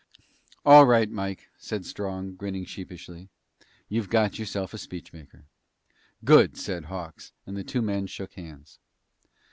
"All right, Mike," said Strong, grinning sheepishly. "You've got yourself a speechmaker!" "Good!" said Hawks and the two men shook hands.